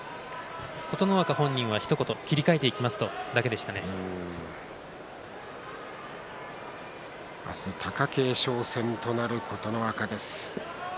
琴ノ若はひと言切り替えていきますという話を明日貴景勝戦となる琴ノ若。